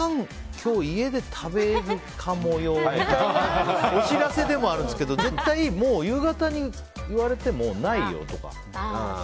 今日、家で食べるかもよみたいなお知らせでもあるんですけど夕方に言われてもないよ、とか。